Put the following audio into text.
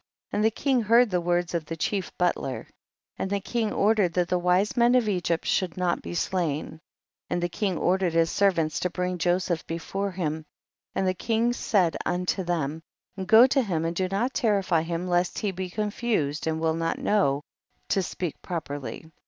39. And the king heard the words of the chief butler, and the king or dered that the wise men of Egypt shoidd not be slain. 40. And the king ordered his ser vants to bring Joseph before him, and the king said unto them, go to him and do not terrify him lest he be con fused and will not know to speak pro perly.